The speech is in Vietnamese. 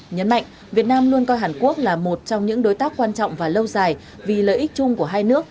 nhấn mạnh việt nam luôn coi hàn quốc là một trong những đối tác quan trọng và lâu dài vì lợi ích chung của hai nước